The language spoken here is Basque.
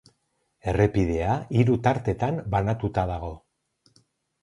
Errepidea hiru tartetan banatuta dago.